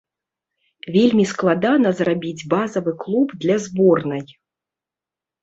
Вельмі складана зрабіць базавы клуб для зборнай.